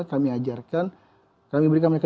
kami ajarkan kami berikan mereka